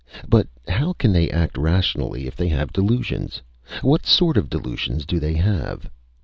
But how can they act rationally if they have delusions? What sort of delusions do they have?"